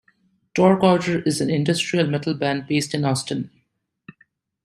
Torque Order is an industrial metal band based in Austin.